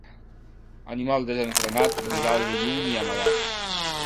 Animal desenfrenat, mira'l de lluny i amagat.